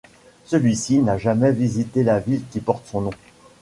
Celui-ci n'a jamais visité la ville qui porte son nom.